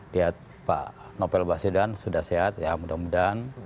lihat pak nobel basidan sudah sehat ya mudah mudahan